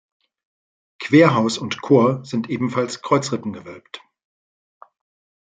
Querhaus und Chor sind ebenfalls kreuzrippengewölbt.